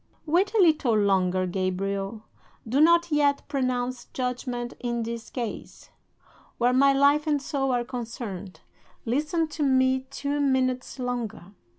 "'Wait a little longer, Gabriel. Do not yet pronounce judgment in this case, where my life and soul are concerned. Listen to me two minutes longer.